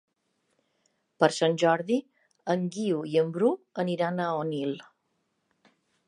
Per Sant Jordi en Guiu i en Bru aniran a Onil.